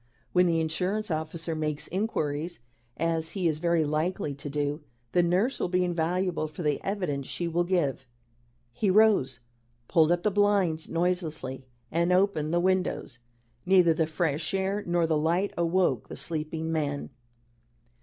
When the insurance officer makes inquiries, as he is very likely to do, the nurse will be invaluable for the evidence she will give." He rose, pulled up the blinds noiselessly, and opened the windows. Neither the fresh air nor the light awoke the sleeping man.